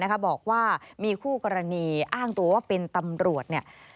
บอกว่ามีคู่กรณีอ้างตัวว่าเป็นตำรวจเนี่ย